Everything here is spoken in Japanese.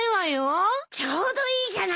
ちょうどいいじゃない。